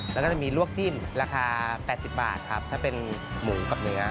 แล้วก็จะมีลวกจิ้มราคา๘๐บาทครับถ้าเป็นหมูกับเนื้อ